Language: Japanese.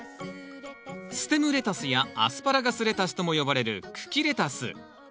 ステムレタスやアスパラガスレタスとも呼ばれる茎レタス。